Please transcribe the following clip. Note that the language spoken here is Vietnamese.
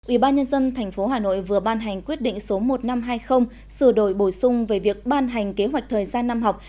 ủy ban nhân dân tp hà nội vừa ban hành quyết định số một nghìn năm trăm hai mươi sửa đổi bổ sung về việc ban hành kế hoạch thời gian năm học